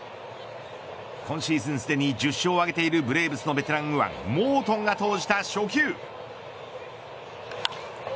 今シーズンすでに１０勝を挙げているブレーブスのベテラン右腕モートンが投じた初球。